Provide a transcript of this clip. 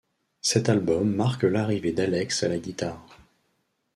Cet album marque l'arrivée d'Alex à la guitare.